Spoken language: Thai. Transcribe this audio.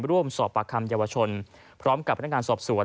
ร่วมสอบปากคำเยาวชนพร้อมกับพนักงานสอบสวน